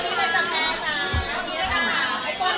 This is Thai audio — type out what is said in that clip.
เราเป็นเครื่องสบายประโยชน์